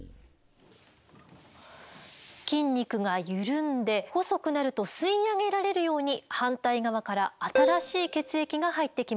筋肉が緩んで細くなると吸い上げられるように反対側から新しい血液が入ってきます。